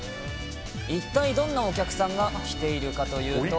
一体どんなお客さんが来ているかというと。